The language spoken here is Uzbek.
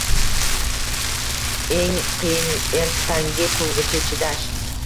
Eng qiyiniertangi kungacha chidash